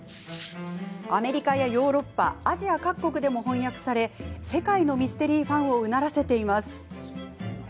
アメリカやヨーロッパアジア各国でも翻訳され世界のミステリーファンをうならせています。